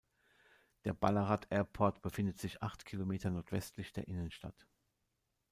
Der Ballarat Airport befindet sich acht Kilometer nordwestlich der Innenstadt.